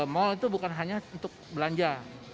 mall itu bukan hanya untuk belanja